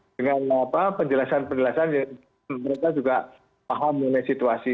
dengan penjelasan penjelasan yang mereka juga paham mengenai situasi